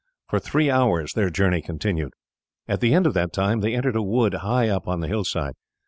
For three hours their journey continued. At the end of that time they entered a wood high up on the hillside.